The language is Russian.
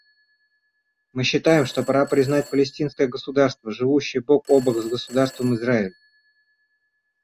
Мы считаем, что пора признать палестинское государство, живущее бок о бок с Государством Израиль.